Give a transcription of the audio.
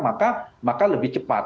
maka lebih cepat